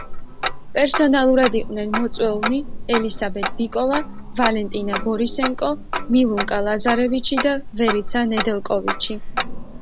პერსონალურად იყვნენ მოწვეულნი: ელისაბედ ბიკოვა, ვალენტინა ბორისენკო, მილუნკა ლაზარევიჩი და ვერიცა ნედელკოვიჩი.